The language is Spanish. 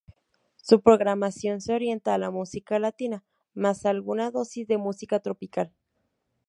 Su programación se orienta a la musica latina, más alguna dosis de música tropical.